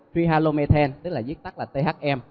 trihalomethen tức là viết tắt là thm